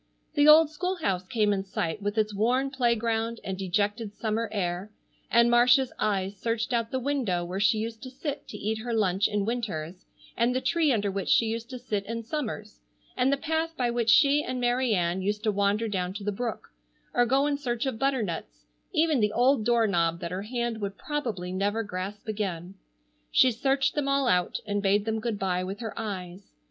The old school house came in sight with its worn playground and dejected summer air, and Marcia's eyes searched out the window where she used to sit to eat her lunch in winters, and the tree under which she used to sit in summers, and the path by which she and Mary Ann used to wander down to the brook, or go in search of butternuts, even the old door knob that her hand would probably never grasp again. She searched them all out and bade them good bye with her eyes.